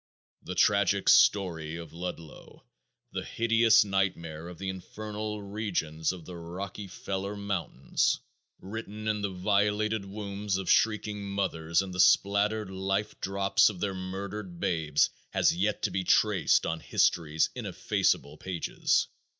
The tragic story of Ludlow, the hideous nightmare of the infernal regions of the Rocky(feller) Mountains written in the violated wombs of shrieking mothers and the spattered life drops of their murdered babes has yet to be traced on history's ineffaceable pages.